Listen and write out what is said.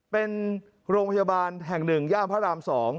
เป็นโรงพยาบาลแห่ง๑ย่านพระราม๒